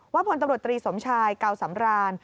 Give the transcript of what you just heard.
พลตำรวจตรีสมชายเก่าสำราน